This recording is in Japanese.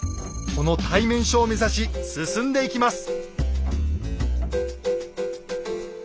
この対面所を目指し進んでいきます。